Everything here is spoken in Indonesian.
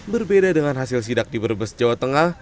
berbeda dengan hasil sidak di brebes jawa tengah